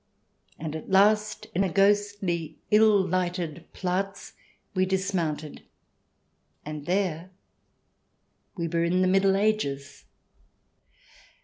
And at last, in a ghostly, ill lighted Platz, we dismounted, and there we were in the Middle Ages